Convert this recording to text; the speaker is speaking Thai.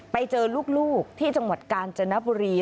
ไปเจอลูกที่จังหวัดกาญจนบุรี